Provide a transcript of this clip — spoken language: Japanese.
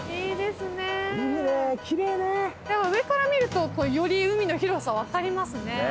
上から見るとより海の広さ分かりますね。